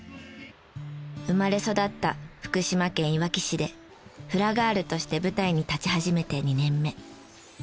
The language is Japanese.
生まれ育った福島県いわき市でフラガールとして舞台に立ち始めて２年目。